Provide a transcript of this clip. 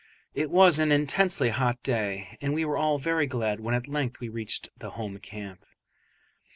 It was an intensely hot day, and we were all very glad when at length we reached the home camp.